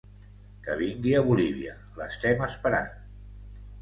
Que vingui a Bolívia, l’estem esperant.